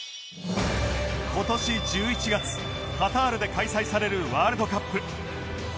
今年１１月カタールで開催されるワールドカップ